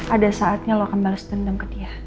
ada saatnya lo akan bales dendam ke dia